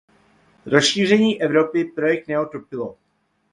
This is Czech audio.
Rozšíření Evropy projekt neotupilo.